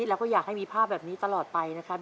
แล้วก็อยากให้มีภาพแบบนี้ตลอดไปนะครับ